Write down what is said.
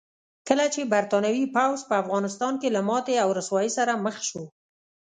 کله چې برتانوي پوځ په افغانستان کې له ماتې او رسوایۍ سره مخ شو.